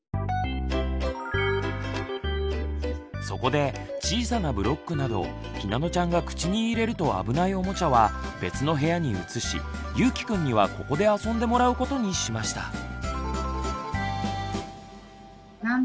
そこで小さなブロックなどひなのちゃんが口に入れると危ないおもちゃは別の部屋に移しゆうきくんにはここで遊んでもらうことにしました。